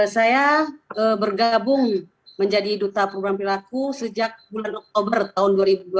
saya bergabung menjadi duta perubahan perilaku sejak bulan oktober tahun dua ribu dua puluh